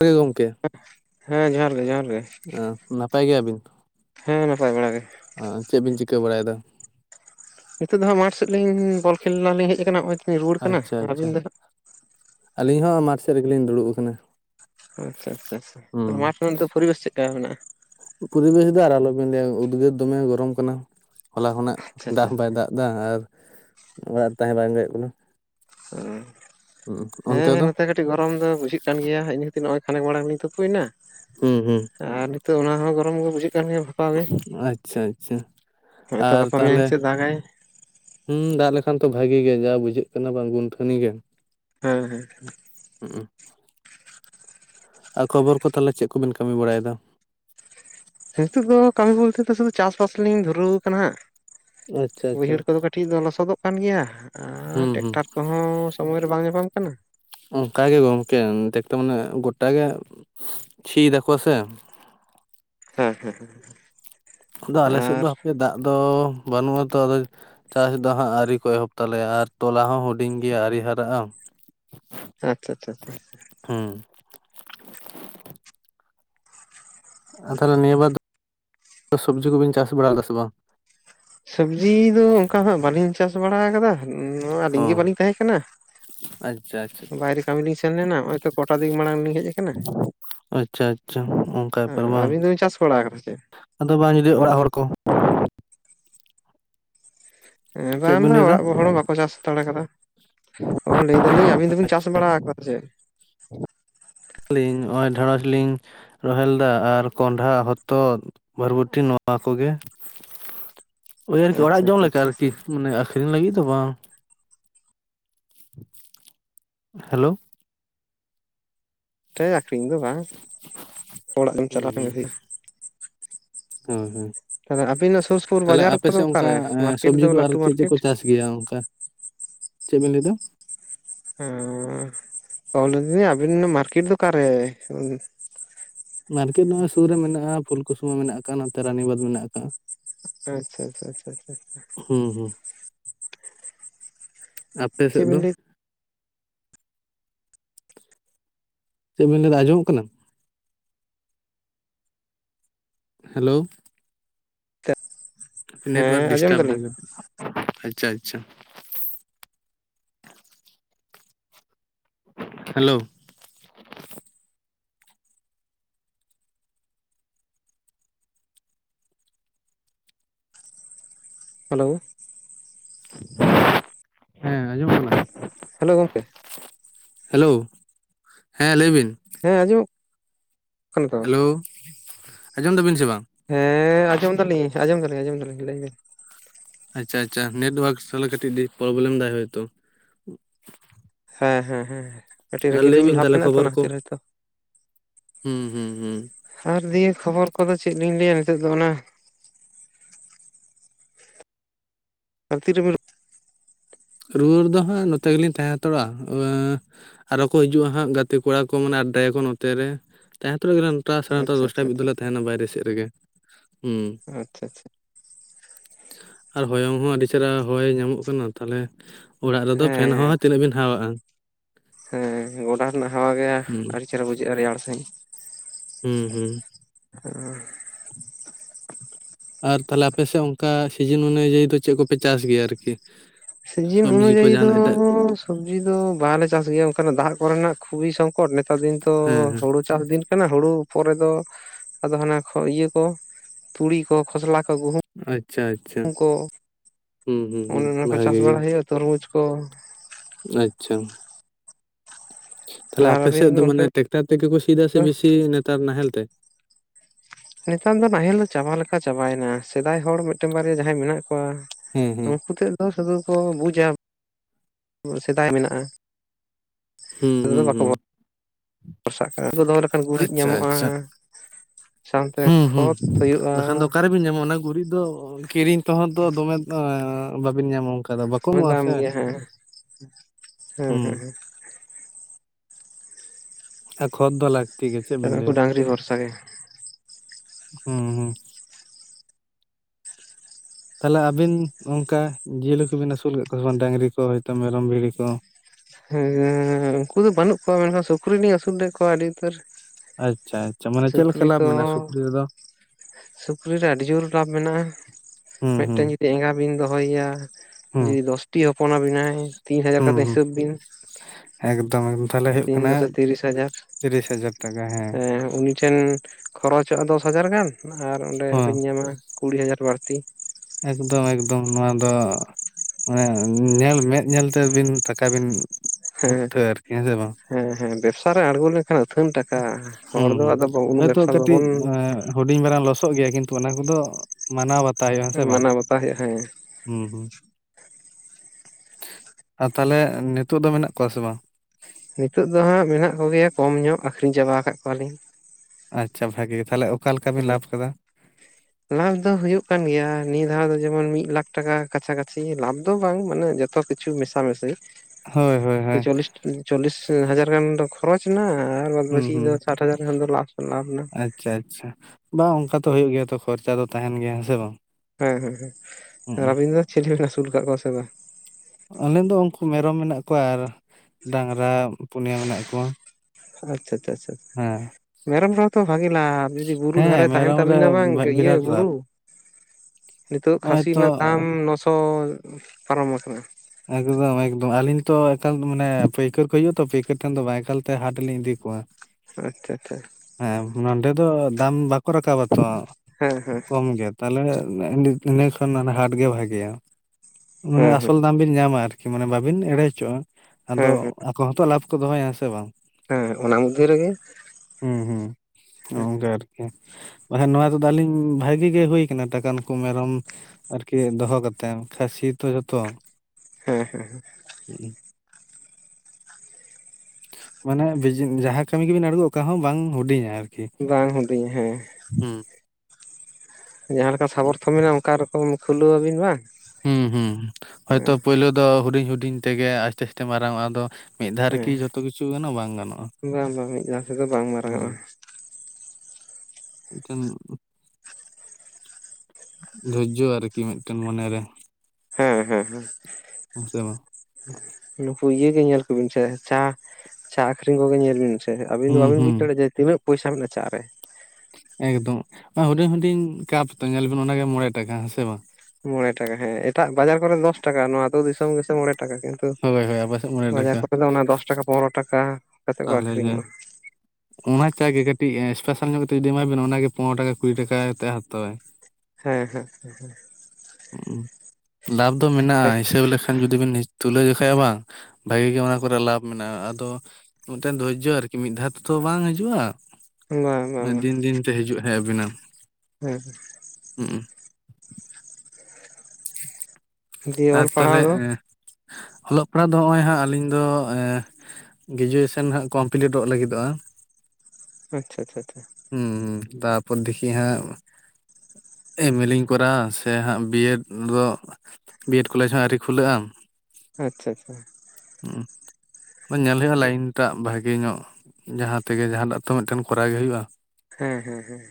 ᱦᱳᱭ ᱜᱚᱢᱠᱮ ᱦᱮᱸ ᱡᱚᱦᱟᱨ ᱜᱮ ᱡᱚᱦᱟᱨ ᱜᱮ ᱚ ᱱᱟᱯᱟᱭ ᱜᱮᱭᱟᱵᱤᱱ ᱦᱮᱸ ᱱᱟᱯᱟᱭ ᱵᱟᱲᱟ ᱜᱮ ᱮᱫ ᱪᱮᱫ ᱵᱤᱱ ᱪᱤᱠᱟᱹ ᱵᱟᱲᱟᱭ ᱫᱟ ᱱᱤᱛᱚᱜ ᱫᱚ ᱦᱟᱸᱜ ᱢᱟᱴᱷ ᱥᱮᱫ ᱞᱤᱧ ᱵᱚᱞ ᱠᱷᱮᱞᱞᱤᱧ ᱦᱮᱡ ᱟᱠᱟᱱᱟ ᱱᱚᱜ-ᱚᱭ ᱛᱚᱞᱤᱧ ᱨᱩᱣᱟᱹᱲ ᱠᱟᱱᱟ ᱟᱪᱪᱷᱟ ᱟᱹᱵᱤᱱ ᱟᱪᱪᱷᱟ ᱫᱚ ᱦᱟᱸᱜ ᱟᱹᱞᱤᱧ ᱦᱚᱸ ᱢᱟᱴᱷ ᱥᱮᱫ ᱨᱮᱜᱮᱞᱤᱧ ᱫᱩᱲᱩᱵ ᱟᱠᱟᱱᱟ ᱟᱪᱪᱷᱟ ᱟᱪᱪᱷᱟ ᱛᱚ ᱦᱩᱸ ᱢᱟᱴᱷ ᱨᱮᱱᱟᱜ ᱱᱤᱛᱚᱜ ᱯᱚᱨᱤᱵᱮᱥ ᱪᱮᱫ ᱞᱮᱠᱟ ᱢᱮᱱᱟᱜ-ᱟ ᱯᱚᱨᱤᱵᱮᱥ ᱫᱚ ᱟᱨ ᱟᱞᱚᱵᱮᱱ ᱞᱟᱹᱭᱟ ᱩᱫᱽᱜᱟᱹᱨ ᱫᱚᱢᱮ ᱜᱚᱨᱚᱢ ᱠᱟᱱᱟ ᱦᱚᱞᱟ ᱠᱷᱚᱱᱟᱜ ᱟᱪᱪᱷᱟ ᱫᱟᱜ ᱟᱪᱪᱷᱟ ᱦᱚᱸ ᱵᱟᱭ ᱫᱟᱜ ᱮᱫᱟ ᱟᱨ ᱚᱲᱟᱜ ᱛᱟᱦᱮᱸ ᱵᱟᱭ [unintelligible] ᱠᱟᱱᱟ ᱦᱮᱸ ᱚᱱᱛᱮ ᱦᱮᱸ ᱫᱚ ᱱᱚᱛᱮ ᱠᱟᱹᱴ ᱜᱚᱨᱚᱢ ᱫᱚ ᱵᱩᱡᱟᱹᱜ ᱠᱟᱱ ᱜᱮᱭᱟ ᱤᱱᱟᱹᱠᱟᱹᱛᱮᱜ ᱱᱚᱜᱱᱚᱭ ᱠᱷᱟᱱᱮᱠ ᱢᱟᱲᱟᱝ ᱞᱤᱧ ᱛᱩᱯᱩᱭᱱᱟ ᱦᱩᱸ ᱦᱩᱸ ᱟᱨ ᱱᱤᱛᱚᱜ ᱚᱱᱟ ᱦᱚᱸ ᱜᱚᱨᱚᱢ ᱜᱮ ᱵᱩᱡᱷ ᱠᱟᱱ ᱜᱮᱭᱟ ᱜᱟᱯᱟᱜᱮ ᱟᱪᱪᱷᱟ ᱟᱪᱪᱷᱟ ᱦᱚᱳᱭᱛᱚ ᱜᱟᱯᱟ ᱢᱮᱭᱟᱝ ᱥᱮᱫ ᱫᱟᱜᱟᱭ ᱦᱮᱸ ᱫᱟᱜ ᱞᱮᱠᱷᱟᱱ ᱛᱚ ᱵᱷᱟᱹᱜᱤ ᱜᱮ ᱡᱟ ᱵᱩᱡᱷᱟᱹᱜ ᱠᱟᱱᱟ ᱵᱟᱝ ᱜᱩᱱᱴᱷᱟᱹᱱᱤ ᱜᱮ ᱦᱮᱸ ᱦᱮᱸ ᱦᱮ ᱦᱩᱜ ᱩ ᱟᱨ ᱠᱷᱚᱵᱚᱨ ᱠᱚ ᱛᱟᱦᱚᱞᱮ ᱪᱮᱫ ᱠᱚᱵᱮᱱ ᱠᱟᱹᱢᱤ ᱵᱟᱲᱟᱭ ᱫᱟ ᱦᱤᱛᱳᱜ ᱫᱚ ᱠᱟᱹᱢᱤ ᱵᱚᱞᱛᱮ ᱫᱚ ᱥᱩᱫᱷᱩ ᱪᱟᱥᱵᱟᱥ ᱞᱤᱧ ᱫᱷᱩᱨᱟᱹᱣ ᱟᱠᱟᱱᱟ ᱦᱟᱸᱜ ᱟᱪᱪᱷᱟ ᱟᱪᱪᱷᱟ ᱵᱟᱹᱭᱦᱟᱹᱲ ᱠᱚᱫᱚ ᱠᱟᱹᱴᱤᱡ ᱠᱟᱹᱴᱤᱡ ᱫᱚ ᱞᱚᱥᱚᱫᱚᱜ ᱠᱟᱱ ᱜᱮᱭᱟ ᱟᱨ ᱦᱩᱸ ᱦᱩᱸ ᱴᱮᱠᱴᱟᱨ ᱠᱚᱦᱚᱸ ᱥᱚᱢᱚᱭ ᱨᱮ ᱵᱟᱝ ᱧᱟᱯᱟᱢ ᱠᱟᱱᱟ ᱚᱱᱠᱟ ᱜᱮ ᱜᱚᱢᱠᱮ [unintelligible] ᱛᱚ ᱢᱟᱱᱮ ᱜᱚᱴᱟ ᱜᱮ ᱪᱷᱤ ᱫᱟᱠᱚ ᱥᱮ ᱦᱮᱸ ᱦᱮᱸ ᱦᱮᱸᱸ ᱟᱫᱚ ᱟᱞᱮ ᱥᱮᱫ ᱫᱚ ᱦᱟᱯᱮ ᱫᱟᱜ ᱫᱚ ᱵᱟᱹᱱᱩᱜ ᱟᱛᱚ ᱟᱫᱚ ᱪᱟᱥ ᱫᱚ ᱦᱟᱸᱜ ᱟᱹᱣᱨᱤ ᱠᱚ ᱮᱦᱚᱵ ᱛᱟᱞᱮᱭᱟ ᱟᱨ ᱛᱚᱞᱟ ᱦᱚᱸ ᱦᱩᱰᱤᱧ ᱜᱮᱭᱟ ᱟᱹᱣᱨᱤ ᱦᱟᱨᱟᱜᱼᱟ ᱟᱪᱪᱷᱟ ᱟᱪᱪᱷᱟ ᱟᱪᱷᱟ ᱦᱮᱸ ᱛᱟᱦᱚᱞᱮ ᱱᱤᱭᱟᱹ ᱵᱟᱨ ᱫᱚ ᱥᱚᱵᱡᱤ ᱠᱚᱵᱤᱱ ᱪᱟᱥ ᱵᱟᱲ ᱞᱮᱫᱟ ᱥᱮ ᱵᱟᱝ ᱥᱚᱵᱡᱤ ᱫᱚ ᱚᱱᱠᱟ ᱫᱚᱜ ᱵᱟᱹᱞᱤᱧ ᱪᱟᱥ ᱵᱟᱲᱟ ᱟᱠᱟᱫᱟ ᱟᱹᱞᱤᱧ ᱜᱮ ᱚ ᱵᱟᱹᱞᱤᱧ ᱛᱟᱦᱮᱸ ᱠᱟᱱᱟ ᱟᱪᱪᱷᱟ ᱟᱪᱷᱟ ᱵᱟᱭᱨᱮ ᱠᱟᱹᱢᱤ ᱞᱤᱧ ᱥᱮᱱ ᱞᱮᱱᱟ ᱚᱜ ᱚᱭ ᱛᱚ ᱠᱚᱴᱟ ᱫᱤᱱ ᱢᱟᱲᱟᱝ ᱞᱤᱧ ᱦᱮᱡ ᱠᱟᱱᱟ ᱟᱪᱪᱷᱟ ᱟᱪᱪᱷᱟ ᱚᱱᱠᱟᱵᱮᱯᱟᱨ ᱦᱮᱸ ᱵᱟᱝ ᱟᱹᱵᱤᱱ ᱫᱚᱵᱤᱱ ᱪᱟᱥ ᱵᱟᱲᱟ ᱟᱠᱟᱫᱟ ᱥᱮ ᱟᱫᱚ ᱵᱟᱝ ᱡᱩᱫᱤ ᱚᱲᱟᱜ ᱪᱮᱫ ᱦᱚᱲ ᱠᱚ ᱦᱮᱸ ᱪᱮᱫ ᱵᱟᱝ ᱵᱤᱱ ᱵᱟᱝ ᱞᱟᱹᱭ ᱮᱫᱟ ᱚᱲᱟᱜ ᱦᱚᱲ ᱦᱚᱸ ᱵᱟᱠᱚ ᱪᱟᱥ ᱦᱟᱛᱟᱲ ᱠᱟᱫᱟ ᱚ ᱞᱟᱹᱭ ᱫᱟᱞᱤᱧ ᱟᱹᱵᱤᱱ ᱫᱚᱵᱤᱱ ᱪᱟᱥ ᱟᱪᱪᱷᱟ ᱵᱟᱲᱟ ᱟᱠᱟᱫᱟ ᱪᱮᱫ ᱟᱹᱞᱤᱧ ᱱᱚᱜᱼᱚᱭ ᱰᱷᱮᱲᱚᱥ ᱞᱤᱧ ᱨᱚᱦᱚᱭ ᱞᱫᱟᱟ ᱟᱨ ᱠᱚᱸᱰᱷᱟ ᱦᱚᱛᱚᱫ ᱵᱷᱚᱨᱵᱚᱴᱤ ᱱᱚᱣᱟ ᱠᱚᱜᱮ ᱳᱭ ᱟᱨᱠᱤ ᱪᱮᱫ ᱚᱲᱟᱜ ᱟᱪᱪᱷᱟ ᱟᱪᱪᱷᱟ ᱡᱚᱢᱱᱞᱮᱠᱟ ᱟᱪᱪᱷᱟ ᱟᱨᱠᱤ ᱢᱟᱱᱮ ᱟᱠᱷᱨᱤᱧ ᱞᱟᱹᱜᱤᱫ ᱫᱚ ᱵᱟᱝ ᱦᱮᱞᱳ ᱛᱮ ᱟᱠᱷᱨᱤᱧ ᱫᱚ ᱵᱟᱝ ᱚᱲᱟᱜ ᱡᱚᱢ ᱪᱟᱞᱟᱣ ᱞᱟᱹᱜᱤᱫ ᱦᱩᱸ ᱦᱩᱸ ᱛᱟᱦᱚᱞᱮ ᱟᱹᱵᱤᱱᱟᱜ ᱥᱩᱨ ᱥᱩᱯᱩᱨ ᱛᱟᱦᱚᱞᱮ ᱵᱟᱡᱟᱨ ᱟᱯᱮ ᱠᱚᱫᱚ ᱥᱮᱫ ᱚᱱᱠᱟ ᱚᱠᱟᱨᱮ ᱢᱟᱨᱠᱮᱴ ᱥᱚᱵᱽᱡᱤ ᱫᱚ ᱠᱚ ᱟᱨ ᱞᱟᱹᱴᱩ ᱪᱮᱫ ᱪᱮᱫ ᱢᱟᱨᱠᱮᱴ ᱠᱚ ᱪᱟᱥ ᱜᱮᱭᱟ ᱚᱱᱠᱟ ᱪᱮᱫ ᱵᱮᱱ ᱞᱟᱹᱭ ᱮᱫᱟ ᱦᱮ ᱞᱟᱹᱭᱫᱟ ᱟᱵᱤᱱ ᱢᱟᱨᱠᱮᱴ ᱫᱚ ᱚᱠᱟᱨᱮ ᱢᱟᱨᱠᱮᱴ ᱱᱚᱣᱟ ᱥᱩᱨ ᱨᱮ ᱢᱮᱱᱟᱜᱼᱟ ᱯᱷᱩᱞᱠᱩᱥᱢᱟ ᱢᱮᱱᱟᱜ ᱟᱠᱟᱫ ᱱᱚᱛᱮ ᱨᱟᱱᱤᱵᱟᱫᱽ ᱢᱮᱱᱟᱜ ᱟᱠᱟᱜ-ᱟ ᱟᱪᱪᱷᱟ ᱟᱪᱪᱷᱟ ᱟᱪᱪᱷᱟ ᱪᱷᱟ ᱩᱸᱩᱸ ᱟᱯᱮ ᱪᱮᱫ ᱥᱮᱫ ᱫᱚ ᱵᱤᱱ ᱞᱟᱹᱭ ᱪᱮᱫ ᱵᱮᱱ ᱞᱟᱹᱭ ᱫᱟ ᱟᱡᱸᱚᱢᱚᱜ ᱠᱟᱱᱟ ᱦᱮᱞᱳᱣ ᱠᱮᱫᱟ? ᱱᱮᱴᱚᱣᱟᱨᱠ ᱦᱮᱸ ᱟᱸᱡᱚᱢ ᱰᱤᱥᱴᱟᱵ ᱫᱟ ᱫᱟᱞᱤᱧ ᱟᱪᱪᱷᱟ ᱟᱪᱪᱷᱟ ᱦᱮᱞᱳ ᱦᱮᱞᱳᱣ ᱦᱮᱸ ᱟᱡᱚᱢᱚᱜ ᱠᱟᱱᱟ ᱦᱮᱞᱳ ᱜᱚᱢᱠᱮ ᱦᱮᱞᱳ ᱦᱮᱸ ᱞᱟᱹᱭ ᱵᱤᱱ ᱦᱮᱸ ᱟᱡᱚᱢᱚᱜ ᱦᱮᱞᱳ ᱟᱸᱡᱚᱢ ᱫᱟᱵᱤᱱ ᱥᱮ ᱵᱟᱝ ᱦᱮᱸ ᱟᱸᱡᱚᱢ ᱫᱟᱞᱤᱧ ᱟᱸᱡᱚᱢ ᱫᱟᱞᱤᱧ ᱟᱸᱡᱚᱢ ᱫᱟᱞᱤᱧ ᱞᱟᱹᱭ ᱢᱮ ᱟᱪᱪᱷᱟ ᱟᱪᱪᱷᱟ ᱱᱮᱴᱳᱣᱟᱨᱠ ᱥᱞᱳ ᱠᱟᱹᱴᱤᱡ ᱯᱨᱚᱵᱞᱮᱢ ᱫᱟᱭ ᱦᱳᱭᱛᱚ ᱦᱮᱸ ᱦᱮᱸ ᱦᱮᱸ ᱠᱟᱹᱴᱤᱡ ᱟᱨ ᱨᱤᱢᱤᱞ ᱞᱟᱹᱭ ᱵᱤᱱ ᱨᱤᱢᱤᱞ ᱦᱟᱯ ᱛᱟᱦᱚᱞᱮ ᱢᱮᱱᱟᱜ ᱟ ᱛᱚ ᱠᱷᱚᱵᱚᱨ ᱚᱱᱟ ᱠᱚ ᱠᱷᱛᱤᱨ ᱦᱚᱭ ᱛᱚ ᱦᱩᱸ ᱦᱩᱸ ᱦᱩᱸ ᱟᱨ ᱫᱤᱭᱮ ᱠᱷᱚᱵᱚᱨ ᱠᱚᱫᱚ ᱪᱮᱫ ᱞᱤᱧ ᱞᱟᱹᱭᱟ ᱱᱤᱛᱚᱜ ᱫᱚ ᱚᱱᱟ ᱟᱨ ᱛᱤᱨ ᱨᱮ ᱵᱤᱱ ᱨᱩᱣᱟᱹᱲ ᱫᱚ ᱦᱟᱸᱜ ᱱᱚᱛᱮ ᱜᱮᱞᱤᱧ ᱛᱟᱦᱮᱸ ᱦᱟᱛᱟᱲᱚᱜ ᱮᱻ ᱟᱨᱦᱚ ᱠᱚ ᱦᱤᱡᱩᱜᱼᱟ ᱦᱟᱸᱜ ᱜᱟᱛᱮ ᱠᱚᱲᱟ ᱠᱚ ᱢᱟᱱᱮ ᱟᱰᱰᱟᱭᱟᱠᱚ ᱱᱚᱛᱮ ᱨᱮ ᱛᱟᱦᱮᱸ ᱦᱟᱛᱟᱲᱚᱜ ᱜᱮᱭᱟᱞᱟᱝ ᱱᱚᱴᱟ ᱥᱟᱲᱮ ᱱᱚᱴᱟ ᱟᱪᱪᱷᱟ ᱫᱚᱥᱴᱟ ᱟᱪᱪᱷᱟ ᱫᱷᱟᱵᱤᱪ ᱟᱪᱪᱷᱟ ᱫᱚᱞᱮ ᱛᱟᱦᱮᱱᱟ ᱵᱟᱭᱨᱮ ᱥᱮᱫ ᱨᱮᱜᱮ ᱦᱮᱸ ᱟᱪᱪᱷᱟ ᱟᱪᱪᱷᱟ ᱟᱨ ᱦᱚᱭᱚᱝ ᱦᱚᱸ ᱟᱹᱰᱤ ᱪᱮᱦᱨᱟ ᱦᱚᱭ ᱧᱟᱢᱚᱜ ᱠᱟᱱᱟ ᱛᱟᱞᱦᱮ ᱚᱲᱟᱜ ᱨᱮᱫᱚ ᱯᱷᱮᱱ ᱦᱮᱸ ᱦᱟᱣᱟ ᱛᱤᱱᱟᱹᱜ ᱵᱤᱱ ᱦᱟᱣᱟᱜᱼᱟ? ᱦᱮᱸ ᱜᱚᱰᱟ ᱨᱮᱱᱟᱜ ᱦᱟᱣᱟ ᱜᱮ ᱦᱩᱸ ᱟᱹᱰᱤ ᱪᱮᱦᱨᱟ ᱵᱩᱡᱷᱟᱹᱜᱼᱟ ᱨᱮᱭᱟᱲ ᱥᱟᱺᱦᱤᱪ ᱦᱩᱸ ᱦᱩᱸ ᱦᱮᱻ ᱟᱨ ᱛᱟᱦᱞᱮ ᱟᱯᱮ ᱥᱮᱫ ᱚᱱᱠᱟ ᱥᱤᱡᱤᱱ ᱱᱤᱭᱮ ᱫᱚ ᱪᱮᱫ ᱠᱚᱯᱮ ᱪᱟᱥ ᱜᱮᱭᱟ ᱟᱨᱠᱤ? ᱥᱤᱡᱤᱱ ᱥᱚᱵᱽᱡᱤ ᱠᱚ ᱚᱱᱩᱡᱟᱭᱤ ᱫᱚ ᱡᱟᱦᱟᱱᱟᱜ ᱮᱴᱟᱜ ᱥᱚᱵᱽᱡᱤ ᱫᱚ ᱵᱟᱞᱮ ᱪᱟᱥ ᱜᱮᱭᱟ ᱚᱱᱠᱟ ᱫᱟᱜ ᱠᱚᱨᱮᱱᱟᱜ ᱠᱷᱩᱵᱤ ᱥᱚᱝ ᱠᱚᱴ ᱱᱮᱛᱟᱨ ᱫᱤᱱ ᱛᱚ ᱦᱮᱸ ᱦᱮᱸ ᱦᱩᱲᱩ ᱪᱟᱥ ᱫᱤᱱ ᱠᱟᱱᱟ ᱦᱩᱲᱩ ᱯᱚᱨᱮ ᱫᱚ ᱟᱫᱚ ᱦᱟᱱᱮ ᱤᱭᱟᱹ ᱠᱚ ᱛᱩᱲᱤ ᱠᱚ ᱠᱷᱚᱥᱞᱟ ᱠᱚ ᱜᱩᱦᱩᱢ ᱟᱪᱪᱷᱟ ᱟᱪᱪᱷᱟ ᱩᱱᱠᱩ ᱦᱩᱸ ᱦᱩᱸ ᱦᱩᱸ ᱚᱱᱟ ᱠᱚ ᱵᱷᱟᱜᱮ ᱪᱟᱥ ᱜᱮ ᱵᱟᱲᱟᱭ ᱦᱩᱭᱩᱜᱼᱟ ᱛᱚ ᱛᱚᱨᱢᱩᱡᱽ ᱠᱚ ᱟᱪᱪᱷᱟ ᱛᱟᱦᱞᱮ ᱟᱨ ᱟᱯᱮ ᱥᱮᱫ ᱟᱹᱞᱤᱧ ᱫᱚ ᱚᱱᱛᱮ ᱢᱟᱱᱮ ᱴᱮᱠᱴᱟᱨ ᱛᱮᱜᱮ ᱠᱚ ᱥᱤᱫᱟ ᱥᱮ ᱵᱮᱥᱤ ᱱᱮᱛᱟᱨ ᱱᱟᱦᱮᱞ ᱛᱮ? ᱱᱮᱛᱟᱨ ᱫᱚ ᱱᱟᱦᱮᱞ ᱫᱚ ᱪᱟᱵᱟ ᱞᱮᱠᱟ ᱪᱟᱵᱟᱭᱮᱱᱟ ᱥᱮᱫᱟᱭ ᱦᱚᱲ ᱢᱤᱫᱴᱮᱱ ᱵᱟᱨᱭᱟ ᱡᱟᱦᱟᱸᱭ ᱢᱮᱱᱟᱜ ᱠᱚᱣᱟ ᱦᱮᱸ ᱦᱮᱸ ᱩᱱᱠᱩ ᱛᱮᱫ ᱫᱚ ᱥᱩᱫᱷᱩ ᱠᱚ ᱵᱩᱡᱟ ᱥᱮᱫᱟᱭ ᱢᱮᱱᱟᱜᱼᱟ ᱦᱩᱸ ᱱᱤᱛᱚᱜ ᱫᱚ ᱦᱩᱸ ᱵᱟᱠᱚ ᱦᱩᱸ [unintelligible] ᱫᱚᱦᱚ ᱞᱮᱠᱷᱟᱱ ᱜᱩᱨᱤᱡ ᱧᱟᱢᱚᱜᱼᱟ ᱥᱟᱶᱛᱮ ᱦᱮᱸ ᱦᱩᱸ ᱠᱷᱚᱛ ᱦᱩᱭᱩᱜᱼᱟ ᱵᱟᱠᱷᱟᱱ ᱫᱚ ᱚᱠᱟᱨᱮᱵᱤᱱ ᱧᱟᱢᱚᱜᱼᱟ ᱚᱱᱟ ᱜᱩᱨᱤᱡ ᱫᱚ ᱠᱤᱨᱤᱧ ᱛᱮᱦᱚᱸ ᱫᱚ ᱫᱚᱢᱮ ᱵᱟᱵᱤᱱ ᱧᱟᱢᱟ ᱚᱱᱠᱟ ᱟᱫᱚ ᱵᱟᱠᱚ ᱫᱚᱢᱮ ᱮᱢᱚᱜ ᱟ ᱫᱟᱢ ᱥᱮ ᱜᱮᱭᱟ ᱦᱮᱸ ᱦᱮᱸ ᱦᱩᱸ ᱮ ᱠᱷᱚᱛ ᱫᱚ ᱞᱟᱜ ᱞᱮᱭ ᱫᱟ. ᱧ ᱩᱱᱠᱩ ᱰᱟᱝᱨᱤ ᱵᱷᱚᱨᱥᱟ ᱜᱮ ᱦᱩᱸ ᱦᱩᱸ ᱛᱟᱦᱚᱞᱮ ᱟᱹᱵᱤᱱ ᱚᱱᱠᱟ ᱡᱤᱭᱟᱹᱞᱤ ᱠᱚᱵᱤᱱ ᱟᱹᱥᱩᱞ ᱟᱠᱟᱫ ᱠᱚᱣᱟ ᱥᱮ ᱵᱟᱝ ᱰᱟᱝᱨᱤ ᱠᱚ ᱦᱚᱭᱛᱚ ᱢᱮᱨᱚᱢ ᱵᱷᱤᱲᱤ ᱠᱚ? ᱦᱮᱸ ᱩᱱᱠᱩ ᱫᱚ ᱵᱟᱹᱱᱩᱜ ᱠᱚᱣᱟ ᱢᱮᱱᱠᱷᱟᱱ ᱥᱩᱠᱨᱤᱞᱤᱧ ᱟᱹᱥᱩᱞ ᱞᱮᱫ ᱠᱚᱣᱟ ᱟᱹᱰᱤ ᱩᱛᱟᱹᱨ ᱟᱪᱪᱷᱟ ᱟᱪᱪᱷᱟ ᱢᱟᱱᱮ ᱪᱮᱫ ᱞᱮᱠᱟ ᱥᱩᱠᱨᱤ ᱞᱟᱵᱷ ᱫᱚ ᱢᱮᱱᱟᱜᱼᱟ ᱥᱩᱠᱨᱤ ᱨᱮᱫᱚ? ᱥᱩᱠᱨᱤ ᱨᱮ ᱟᱹᱰᱤ ᱡᱳᱨ ᱞᱟᱵᱷ ᱢᱮᱱᱟᱜᱼᱟ ᱦᱩᱸ ᱦᱩᱸ ᱢᱤᱫᱴᱮᱱ ᱧᱩᱛ ᱮᱸᱜᱟ ᱵᱤᱱ ᱫᱚᱦᱚᱭᱮᱭᱟ ᱦᱩᱸ ᱡᱩᱫᱤ ᱫᱚᱥᱴᱤ ᱦᱚᱯᱚᱱ ᱟᱵᱤᱱᱟᱭ ᱛᱤᱱ ᱦᱟᱡᱟᱨ ᱠᱟᱛᱮ ᱦᱤᱥᱟᱹᱵᱽ ᱵᱤᱱ ᱮᱠᱫᱚᱢᱚᱢ ᱛᱟᱦᱞᱮ ᱛᱤᱱ ᱫᱚᱥᱮ ᱛᱤᱨᱤᱥ ᱦᱟᱡᱟᱨ ᱦᱮᱸ ᱩᱱᱤ ᱢᱤᱫᱴᱮᱱ ᱠᱷᱚᱨᱚᱪᱚᱜᱼᱟ ᱫᱚᱥ ᱦᱟᱡᱟᱨ ᱜᱟᱱ ᱟᱨ ᱚᱸᱰᱮ ᱦᱚᱸ ᱵᱮᱱ ᱧᱟᱢᱟ ᱠᱩᱲᱤ ᱦᱟᱡᱟᱨ ᱵᱟᱹᱲᱛᱤ ᱮᱠᱫᱚᱢ ᱮᱠᱫᱚᱢ ᱱᱚᱣᱟ ᱫᱚ ᱢᱟᱱᱮ ᱧᱮᱞ ᱢᱮᱸᱫ ᱧᱮᱞᱛᱮᱵᱤᱱ ᱴᱟᱠᱟ ᱵᱤᱱ ᱦᱮᱸ ᱩᱴᱷᱟᱹ ᱟᱨᱠᱤ ᱦᱮᱸ ᱥᱮ ᱵᱟᱝ? ᱦᱮᱸ ᱦᱮᱸ ᱵᱮᱵᱽᱥᱟ ᱨᱮ ᱟᱬᱜᱚ ᱞᱮᱱᱠᱷᱟᱱ ᱟᱹᱛᱷᱟᱹᱱ ᱴᱟᱠᱟ ᱦᱩᱸ ᱦᱚᱲ ᱫᱚ ᱦᱩᱸ ᱟᱫᱚ ᱩᱱᱟᱹᱜ ᱦᱳᱭᱛᱳ ᱵᱮᱵᱥᱟ ᱠᱟᱹᱴᱤᱡ ᱵᱟᱵᱚᱱ ᱮᱸ ᱦᱩᱰᱤᱧ ᱢᱟᱨᱟᱝ ᱞᱚᱥᱚᱜ ᱜᱮᱭᱟ ᱠᱤᱱᱛᱩ ᱚᱱᱟ ᱠᱚᱫᱚ ᱢᱟᱱᱟᱣ ᱵᱟᱛᱟᱣ ᱦᱩᱭᱩᱜᱼᱟ ᱦᱮᱸ ᱥᱮ ᱵᱟᱝ? ᱢᱟᱱᱟᱣ ᱵᱟᱛᱟᱣ ᱦᱩᱭᱩᱜᱼᱟ ᱦᱮᱸ ᱦᱩ ᱦᱩᱸ ᱟᱨ ᱛᱟᱞᱦᱮ ᱱᱤᱛᱳᱜ ᱫᱚ ᱢᱮᱱᱟᱜ ᱠᱚᱣᱟ ᱥᱮ ᱵᱟᱝ? ᱱᱤᱛᱚᱜ ᱫᱚ ᱦᱟᱸᱜ ᱢᱮᱱᱟᱜ ᱠᱚᱜᱮᱭᱟ ᱠᱚᱢ ᱧᱚᱜ ᱟᱠᱷᱨᱤᱧ ᱪᱟᱵᱟ ᱟᱠᱟᱫ ᱠᱚᱣᱟᱞᱤᱧ ᱟᱪᱪᱷᱟ ᱵᱷᱟᱜᱮ ᱜᱮ ᱛᱟᱦᱚᱞᱮ ᱚᱠᱟ ᱞᱮᱠᱟ ᱵᱤᱱ ᱦᱮᱸ ᱞᱟᱵᱷ ᱟᱠᱟᱫᱟ? ᱞᱟᱵᱷ ᱫᱚ ᱦᱩᱭᱩᱜᱭ ᱠᱟᱱ ᱜᱮᱭᱟ ᱱᱤᱭᱟᱹ ᱫᱷᱟᱣ ᱫᱚ ᱡᱮᱢᱚᱱ ᱢᱤᱫ ᱞᱟᱠᱷ ᱴᱟᱠᱟ ᱠᱟᱪᱷᱟ ᱠᱟᱪᱷᱤ ᱞᱟᱵᱷ ᱫᱚ ᱵᱟᱝ ᱢᱟᱱᱮ ᱡᱚᱛᱚ ᱠᱪᱷᱩ ᱢᱮᱥᱟ ᱢᱮᱥᱤ ᱦᱳᱭ ᱦᱳᱭ ᱦᱳᱭ ᱪᱚᱞᱞᱤᱥ ᱦᱟᱡᱟᱨ ᱜᱟᱱ ᱫᱚ ᱠᱷᱚᱨᱚᱪ ᱮᱱᱟ ᱟᱨ ᱦᱩᱸ ᱵᱮᱥᱤ ᱦᱩᱸ ᱫᱚ ᱥᱟᱴ ᱦᱟᱡᱟᱨ ᱜᱟᱱ ᱫᱚ ᱞᱟᱵᱷ ᱞᱟᱵᱷ ᱮᱱᱟ ᱟᱪᱪᱷᱟ ᱟᱪᱪᱷᱟ ᱵᱟᱝ ᱚᱱᱠᱟ ᱛᱚ ᱦᱩᱭᱩᱜ ᱜᱮᱭᱟ ᱛᱚ ᱠᱷᱚᱨᱪᱟ ᱫᱚ ᱛᱟᱦᱮᱱ ᱜᱮᱭᱟ ᱦᱮᱸ ᱥᱮ ᱵᱟᱝ? ᱦᱮᱸ ᱦᱮᱸ ᱦᱩᱸ ᱦᱮᱸ ᱟᱨ ᱦᱩᱸ ᱟᱹᱵᱤᱱ ᱫᱚ ᱪᱮᱞᱮ ᱵᱮᱱ ᱟᱹᱥᱩᱞ ᱟᱠᱟᱫ ᱠᱚᱣᱟ ᱥᱮ ᱵᱟᱝ? ᱟᱞᱮ ᱫᱚ ᱩᱱᱠᱩ ᱢᱮᱨᱚᱢ ᱢᱮᱱᱟᱜ ᱠᱚᱣᱟ ᱟᱨ ᱰᱟᱝᱨᱟ ᱯᱩᱱᱭᱟᱹ ᱢᱮᱱᱟᱜ ᱠᱚᱣᱟ ᱟᱪᱪᱷᱟ ᱟᱪᱷᱟ ᱟᱪᱪᱷᱟ ᱦᱮᱸ ᱢᱮᱨᱚᱢ ᱨᱮᱦᱚᱸ ᱛᱚ ᱵᱷᱟᱜᱤ ᱞᱟᱵᱷ ᱡᱩᱫᱤ ᱵᱩᱨᱩ ᱦᱮᱸ ᱫᱷᱟᱨᱮ ᱛᱟᱦᱮᱱ ᱢᱮᱨᱚᱢ ᱨᱮ ᱛᱟᱵᱤᱱᱟ ᱵᱟᱝ ᱤᱭᱟᱹ ᱵᱤᱨᱟᱴ ᱞᱟᱵᱷ ᱵᱩᱨᱩ ᱱᱤᱛᱳᱜ ᱱᱚᱜᱼᱚᱭ ᱠᱷᱟᱹᱥᱤ ᱛᱚ ᱨᱮᱱᱟᱜ ᱫᱟᱢ ᱱᱚᱥᱚ ᱯᱟᱨᱚᱢ ᱟᱠᱟᱱᱟ ᱮᱠᱫᱚᱢ ᱮᱠᱫᱚᱢ ᱟᱹᱞᱤᱧ ᱛᱚ ᱮᱠᱟᱞ ᱢᱟᱱᱮ ᱯᱟᱹᱭᱠᱟᱹᱨ ᱠᱚ ᱦᱩᱭᱩᱜᱼᱟ ᱛᱚ ᱯᱟᱹᱭᱠᱟᱹᱨ ᱴᱷᱮᱱ ᱫᱚ ᱵᱟᱝ ᱮᱠᱟᱞ ᱛᱮ ᱦᱟᱴ ᱞᱤᱧ ᱤᱫᱤ ᱠᱚᱣᱟ ᱟᱪᱪᱷᱟ ᱟᱪᱪᱷᱟ ᱦᱮᱸ ᱱᱚᱸᱰᱮ ᱫᱚ ᱫᱟᱢ ᱵᱟᱠᱚ ᱨᱟᱠᱟᱵᱟ ᱛᱚ ᱦᱮᱸ ᱦᱮᱸ ᱠᱚᱢ ᱜᱮ ᱛᱟᱦᱚᱞᱮ ᱤᱱᱟᱹ ᱠᱷᱚᱱ ᱦᱟᱴ ᱜᱮ ᱵᱷᱟᱜᱮᱭᱟ ᱢᱟᱱᱮ ᱦᱮᱸ ᱦᱮᱸ ᱟᱥᱚᱞ ᱫᱟᱢ ᱵᱤᱱ ᱧᱟᱢᱟ ᱟᱨᱠᱤ ᱢᱟᱱᱮ ᱵᱟᱵᱤᱱ ᱮᱲᱮ ᱦᱚᱪᱚᱜᱼᱟ ᱟᱫᱚ ᱦᱮᱸ ᱦᱮᱸ ᱟᱠᱚ ᱦᱚᱸᱛᱚ ᱞᱟᱵᱷ ᱠᱚ ᱫᱚᱦᱚᱭᱟ ᱦᱮ ᱥᱮ ᱵᱟᱝ ᱦᱮᱸ ᱚᱱᱟ ᱢᱚᱫᱽᱫᱷᱮ ᱨᱮᱜᱮ ᱦᱩᱸ ᱦᱩᱸ ᱜᱮ ᱟᱨᱠᱤ ᱵᱟᱠᱷᱟᱱ ᱱᱚᱣᱟ ᱛᱮᱫᱚ ᱟᱹᱞᱤᱧ ᱵᱷᱟᱹᱜᱤ ᱜᱮ ᱦᱩᱭ ᱠᱟᱱᱟ ᱴᱟᱠᱟ ᱱᱩᱠᱩ ᱢᱮᱨᱚᱢ ᱟᱨᱠᱤ ᱫᱚᱦᱚ ᱠᱟᱛᱮᱢ ᱠᱷᱟᱹᱥᱤ ᱛᱚ ᱡᱚᱛᱚ ᱦᱮᱸ ᱦᱮᱸ ᱦᱮᱸ ᱦᱩᱸ [unintelligible] ᱢᱟᱱᱮ ᱵᱤᱡ ᱡᱟᱦᱟᱸ ᱠᱟᱹᱢᱤ ᱜᱮᱵᱤᱱ ᱟᱬᱜᱚ ᱚᱠᱟ ᱦᱚᱸ ᱵᱟᱝ ᱦᱩᱰᱤᱧᱟ ᱟᱨᱠᱤ ᱵᱟᱝ ᱦᱩᱰᱤᱧᱟ ᱦᱮᱸ ᱦᱮᱸ ᱡᱟᱦᱟᱸᱮ ᱞᱮᱠᱟ ᱥᱟᱵᱚᱨᱛᱷᱚ ᱢᱮᱱᱟᱜᱼᱟ ᱚᱱᱠᱟ ᱨᱚᱠᱚᱢ ᱠᱷᱩᱞᱟᱹᱣᱟᱵᱤᱱ ᱵᱟᱝ ᱦᱩᱸ ᱦᱩᱸ ᱦᱮᱸ ᱦᱚᱳᱭᱛᱳ ᱯᱳᱭᱞᱳ ᱫᱚ ᱦᱩᱰᱤᱧ ᱦᱩᱰᱤᱧ ᱛᱮᱜᱮ ᱟᱥᱛᱮ ᱟᱥᱛᱮ ᱢᱟᱨᱟᱝᱚᱜᱼᱟ ᱟᱫᱚ ᱢᱤᱫ ᱫᱷᱟᱣ ᱦᱮᱸ ᱨᱮᱠᱤ ᱡᱚᱛᱚ ᱠᱤᱪᱷᱩ ᱜᱟᱱᱚᱜ ᱵᱟᱝ ᱜᱟᱱᱚᱜᱼᱟ ᱵᱟᱝ ᱵᱟᱝ ᱢᱤᱫ ᱫᱷᱟᱣ ᱛᱮᱫᱚ ᱵᱟᱝ ᱦᱩᱸ ᱢᱟᱨᱟᱝᱚᱜᱼᱟ [unintelligible] ᱢᱤᱴᱟ, ᱜ ᱫᱷᱳᱨᱡᱚ ᱟᱨᱠᱤ ᱢᱤᱫᱴᱮᱱ ᱢᱚᱱᱮᱨᱮ ᱦᱮᱸ ᱦᱮᱸ ᱦᱮᱸ ᱦᱮᱸ ᱥᱮ ᱵᱟᱝ ᱱᱩᱠᱩ ᱤᱭᱟᱹ ᱜᱮ ᱧᱮᱞ ᱠᱚᱵᱤᱱ ᱥᱮ ᱪᱟ ᱪᱟ ᱟᱹᱠᱷᱨᱤᱧ ᱠᱚᱜᱮ ᱧᱮᱞ ᱵᱤᱱ ᱥᱮ ᱟᱵᱤᱱ ᱫᱚ ᱦᱩᱸ ᱵᱟᱤᱱ ᱵᱩ ᱦᱩᱸ ᱫᱟᱲᱭᱟᱜᱼᱟᱮ ᱛᱤᱱᱟᱹᱜ ᱯᱚᱭᱥᱟ ᱢᱮᱱᱟᱜᱼᱟ ᱪᱟ ᱨᱮ ᱮᱠᱫᱚᱢ ᱦᱩᱰᱤᱧ ᱦᱩᱰᱤᱧ ᱠᱟᱯᱚ ᱧᱮᱞ ᱵᱮᱤᱱ ᱚᱱᱟᱜᱮ ᱢᱚᱬᱮ ᱴᱟᱠᱟ ᱦᱮᱸ ᱥᱮ ᱵᱟᱝ ᱢᱚᱬᱮ ᱴᱟᱠᱟ ᱦᱮᱸ ᱮᱴᱟᱜ ᱵᱟᱡᱟᱨ ᱠᱚᱨᱮ ᱫᱚᱥ ᱴᱟᱠᱟ ᱱᱚᱣᱟ ᱫᱚ ᱫᱤᱥᱚᱢ ᱜᱮᱥᱮ ᱢᱚᱬᱮ ᱴᱟᱠᱟ ᱠᱤᱱᱛᱩ ᱦᱳᱭ ᱦᱳᱭ ᱟᱯᱮᱥᱮᱫ ᱢᱚᱬᱮ ᱵᱟᱡᱟᱨ ᱴᱟᱠᱟ ᱠᱚᱨᱮ ᱫᱚ ᱚᱱᱟ ᱫᱚᱥ ᱴᱟᱠᱟ ᱯᱚᱱᱮᱨᱚ ᱴᱟᱠᱟ ᱠᱟᱛᱮ ᱠᱚ ᱛᱦᱞᱮ ᱜᱮ ᱟᱠᱷᱨᱤᱧᱚᱜᱼᱟ ᱚᱱᱟ ᱪᱟᱜᱮ ᱠᱟᱹᱴᱤᱡ ᱮ ᱥᱯᱮᱥᱟᱞ ᱧᱚᱜ ᱠᱟᱛᱮᱮᱫ ᱡᱩᱫᱤ ᱮᱢᱟ ᱵᱮᱱ ᱚᱱᱟᱜᱮ ᱯᱚᱱᱮᱨᱚ ᱴᱟᱠᱟ ᱠᱩᱲᱤ ᱴᱟᱠᱟ ᱠᱟᱛᱮ ᱦᱟᱛᱟᱣᱟᱭ ᱦᱮᱸ ᱦᱮᱸ ᱦᱮᱸ ᱞᱟᱵᱷ ᱫᱚ ᱢᱮᱱᱟᱜᱼᱟ ᱦᱤᱥᱟᱹᱵ ᱞᱮᱠᱷᱟᱱ ᱡᱩᱫᱤ ᱵᱮᱱ ᱛᱩᱞᱟᱹᱣ ᱡᱚᱠᱷᱷᱟ ᱵᱟᱝ ᱵᱷᱟᱜᱮ ᱜᱮ ᱚᱱᱟ ᱠᱚᱨᱮ ᱞᱟᱵᱷ ᱢᱮᱱᱟᱜᱼᱟ ᱟᱫᱚ ᱢᱤᱫᱴᱮᱱ ᱫᱷᱳᱨᱡᱚ ᱟᱨᱠᱤ ᱢᱤᱫ ᱫᱷᱟᱣ ᱛᱮᱛᱚ ᱵᱟᱝ ᱦᱤᱡᱩᱜᱼᱟ ᱵᱟᱝ ᱵᱟᱝ ᱵᱟᱝ ᱫᱤᱱ ᱫᱤᱱ ᱦᱤᱡᱩᱜ ᱦᱮᱸ ᱟᱵᱤᱱᱟᱢ [unintelligible] ᱦᱮᱸ ᱦᱩᱸ ᱫᱤᱭᱮ ᱟᱨ ᱚᱞ ᱛᱟᱦᱞᱮ ᱯᱟᱲᱦᱟᱣ ᱫᱚ ᱚᱞᱚᱜ ᱯᱟᱲᱦᱟᱜ ᱫᱚ ᱱᱚᱜᱼᱚᱭ ᱦᱟᱜ ᱟᱹᱞᱤᱧ ᱫᱚ ᱮ ᱜᱨᱮᱡᱩᱭᱮᱥᱚᱱ ᱦᱟᱸᱟᱜ ᱠᱚᱢᱯᱤᱞᱤᱴᱚᱜ ᱞᱟᱹᱜᱤᱫᱚᱜᱼᱟ᱾ ᱟᱪᱪᱷᱟ ᱟᱪᱪᱷᱟ ᱟᱪᱪᱷᱟ ᱦᱩᱸ ᱦᱩᱸ ᱛᱟᱨᱯᱚᱨ ᱫᱤᱠᱤ ᱦᱟᱸᱜ ᱮᱢᱮᱞᱤᱧ ᱠᱚᱨᱟᱣᱟ ᱥᱮ ᱦᱟᱸᱜ ᱵᱤᱭᱮᱰ ᱫᱚ ᱵᱤᱮᱰ ᱠᱚᱞᱮᱡᱽ ᱦᱚᱸ ᱟᱹᱣᱨᱤ ᱠᱷᱩᱞᱟᱹᱜ ᱟᱢ ᱟᱪᱪᱷᱟ ᱟᱪᱪᱷᱟ ᱦᱩᱸ ᱚᱱᱠᱟ ᱧᱮᱞ ᱦᱩᱭᱩᱜᱼᱟ ᱞᱟᱭᱤᱱ ᱴᱟᱜ ᱵᱷᱟᱜᱮ ᱧᱚᱜ ᱡᱟᱦᱟᱸ ᱛᱮᱜᱮ ᱡᱟᱦᱟᱸᱴᱟᱜ ᱛᱚ ᱢᱤᱫᱴᱮᱱ ᱠᱚᱨᱟᱣ ᱜᱮ ᱦᱩᱭᱩᱜᱼᱟ᱾ ᱦᱮᱸ ᱦᱮᱸ ᱦᱮᱸ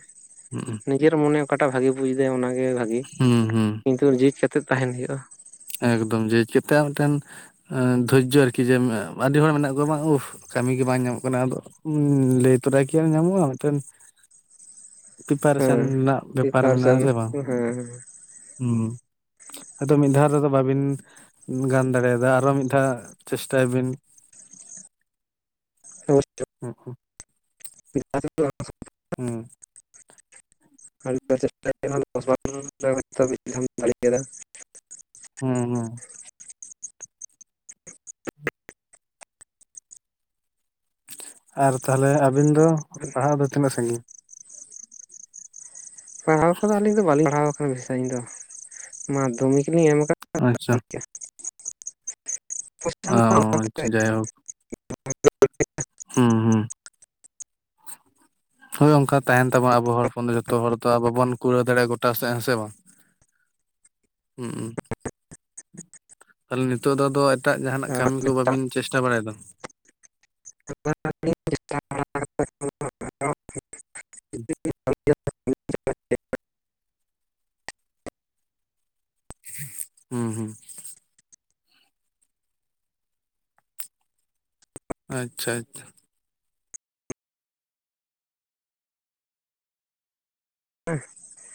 ᱦᱩᱸ ᱱᱤᱡᱮᱨ ᱢᱚᱱᱮ ᱚᱠᱟᱴᱟᱜ ᱵᱷᱟᱜᱤ ᱵᱩᱡᱫᱟᱭ ᱚᱱᱟᱜᱮ ᱵᱷᱟᱜᱤ᱾ ᱦᱩᱸ ᱦᱩᱸ ᱫᱩᱭᱟᱨ ᱡᱷᱤᱡ ᱠᱟᱛᱮᱫ ᱛᱟᱦᱮᱱ ᱦᱩᱭᱩᱜᱼᱟ᱾ ᱮᱠᱫᱚᱢ ᱡᱮ ᱪᱮᱛᱟ ᱢᱤᱫᱴᱮᱱ ᱫᱷᱳᱨᱡᱚ ᱟᱨᱠᱤ ᱡᱮ ᱟᱹᱰᱤ ᱦᱚᱲ ᱢᱮᱱᱟᱜ ᱠᱚᱣᱟ ᱵᱟᱝ ᱩᱸᱦ ᱠᱟᱹᱢᱤ ᱜᱮ ᱵᱟᱝ ᱧᱟᱢᱚᱜ ᱠᱟᱱᱟ ᱟᱫᱚ ᱞᱟᱹᱭ ᱛᱚᱨᱟ ᱠᱤ ᱟᱨ ᱧᱟᱢᱚᱜᱼᱟ ᱢᱤᱫᱴᱮᱱ ᱯᱨᱤᱯᱟᱨᱮᱥᱮᱱ ᱦᱮᱸ ᱨᱮᱱᱟᱜ ᱵᱮᱯᱟᱨ ᱢᱮᱱᱟᱜ-ᱟ ᱯᱨᱤᱯᱟᱨᱮᱥᱚᱱ ᱥᱮ ᱵᱟᱝ? ᱦᱮᱸ ᱦᱮᱸ᱾ ᱟᱫᱚ ᱢᱤᱫ ᱫᱷᱟᱣ ᱨᱮᱫᱚ ᱵᱟᱹᱵᱤᱱ ᱜᱟᱱ ᱫᱟᱲᱮᱭᱟᱫᱟ ᱟᱨᱚ ᱢᱤᱫ ᱫᱷᱟᱣ ᱪᱮᱥᱴᱟᱭ ᱵᱤᱱ᱾ ᱦᱚᱭ ᱛᱚ᱾ ᱚ ᱦᱚᱸ [unintelligible] ᱦᱮᱸ [unintelligible] ᱦᱮᱸ ᱦᱮᱸ ᱟᱨ ᱛᱟᱦᱚᱞᱮ ᱟᱹᱵᱤᱱ ᱫᱚ ᱯᱟᱲᱦᱟᱣ ᱫᱚ ᱛᱤᱱᱟᱹᱜ ᱥᱟᱺᱜᱤᱧ? ᱯᱟᱲᱦᱟᱣ ᱠᱚᱫᱚ ᱟᱹᱞᱤᱧ ᱫᱚ ᱵᱟᱹᱞᱤᱧ ᱯᱟᱲᱦᱟᱣ ᱟᱠᱟᱱᱟ ᱵᱮᱥᱤ ᱥᱟᱸᱜᱤᱧ ᱫᱚ ᱢᱟᱫᱽᱫᱷᱚᱢᱤᱠ ᱞᱤᱧ ᱮᱢ ᱟᱠᱟᱫᱟ᱾ ᱟᱪᱪᱷᱟ ᱚ ᱟᱪᱪᱷᱟ [unintelligible] ᱡᱟᱭᱦᱳᱠ ᱦᱩᱸ ᱦᱩᱸ ᱦᱳᱭ ᱚᱱᱠᱟ ᱛᱟᱦᱮᱱ ᱛᱟᱵᱚ ᱟᱵᱚ ᱦᱚᱲᱯᱚᱱ ᱫᱚ ᱡᱚᱛᱚ ᱦᱚᱲ ᱛᱚ ᱟᱵᱚ ᱵᱚᱱ ᱠᱩᱲᱟᱹᱣ ᱫᱟᱲᱮᱭᱟᱜᱼᱟ ᱜᱚᱴᱟ ᱥᱮᱫ ᱦᱮᱸ ᱥᱮ ᱵᱟᱝ? ᱦᱮᱸ᱾ ᱛᱟᱦᱚᱞᱮ ᱱᱤᱛᱚᱜ ᱫᱚ ᱟᱫᱚ ᱮᱴᱟᱜ ᱡᱟᱦᱟᱸᱱᱟᱜ ᱠᱟᱹᱢᱤ ᱠᱚ ᱵᱟᱵᱤᱱ ᱪᱮᱥᱴᱟ ᱵᱟᱲᱟᱭᱫᱟ? [unintelligible] ᱦᱩᱸ ᱦᱩᱸ ᱦᱩᱸ ᱟᱪᱪᱷᱟ ᱟᱪᱪᱷᱟ ᱦᱮᱸ